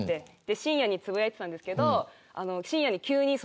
深夜につぶやいてたんですけど。